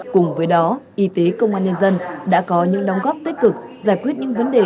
cùng với đó y tế công an nhân dân đã có những đóng góp tích cực giải quyết những vấn đề